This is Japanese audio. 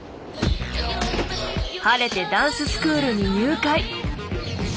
晴れてダンススクールに入会！